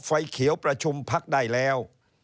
ไฟเขียวประชุมพักได้แล้ว